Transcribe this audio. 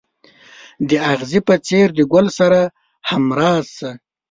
د اغزي په څېر د ګل سره همراز شه.